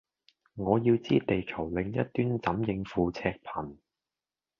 我要知地球另一端怎應付赤貧